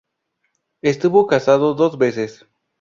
Estuvo casado dos veces.